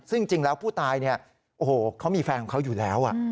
ซึ่งจริงแล้วผู้ตายเนี่ยโอ้โหเขามีแฟนของเขาอยู่แล้ว